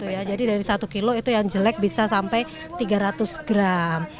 ya jadi dari satu kilo itu yang jelek bisa sampai tiga ratus gram